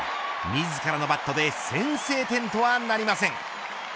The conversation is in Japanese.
自らのバットで先制点とはなりません。